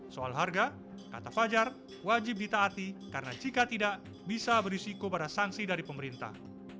soal harga kata fajar wajib ditaati karena jika tidak bisa berisiko pada sanksi dari pemerintah